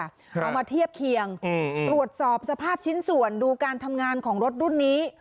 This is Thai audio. เอามาเทียบเคียงตรวจสอบสภาพชิ้นส่วนดูการทำงานของรถรุ่นนี้